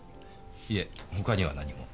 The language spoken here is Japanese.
いえ他には何も。